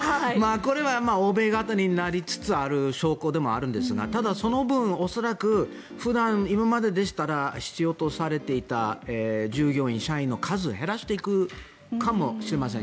これは欧米型になりつつある証拠でもあるんですがただ、その分恐らく普段、今まででしたら必要とされていた従業員社員の数を減らしていくかもしれません。